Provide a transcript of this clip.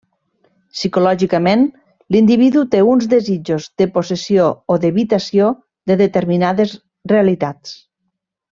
Psicològicament, l'individu té uns desitjos de possessió o d'evitació de determinades realitats.